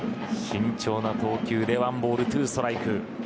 慎重な投球で１ボール２ストライク。